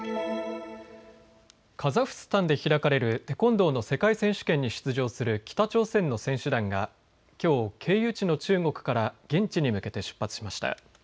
カザフスタンで開かれるテコンドーの世界選手権に出場する北朝鮮の選手団がきょう経由地の中国から現地に向けて出発しました。